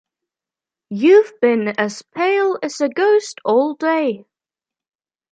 You've been as pale as a ghost all day.